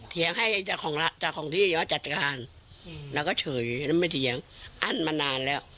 เถียงให้จากของที่ว่าจัดการแล้วก็เฉยไม่เถียงอั้นมานานแล้ว